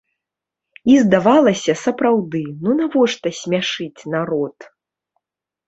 І, здавалася, сапраўды, ну навошта смяшыць народ?